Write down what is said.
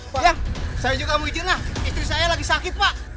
saya juga mau izinlah istri saya lagi sakit pak